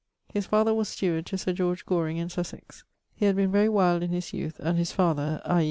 His father was steward to Sir George Goring in Sussex. He had been very wild in his youth; and his father (i.